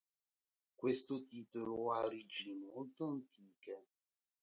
Questo titolo ha origini molto antiche.